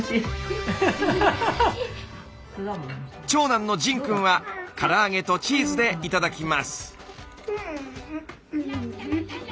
長男の仁くんはから揚げとチーズで頂きます。